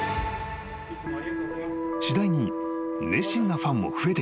［次第に熱心なファンも増えていった］